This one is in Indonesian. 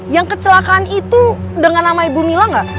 yang kecelakaan itu dengan nama ibu mila nggak